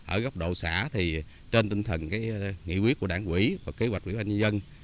ở góc độ xã trên tinh thần nghị quyết của đảng quỷ và kế hoạch huyện nhân dân